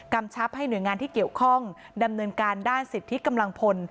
ชับให้หน่วยงานที่เกี่ยวข้องดำเนินการด้านสิทธิกำลังพล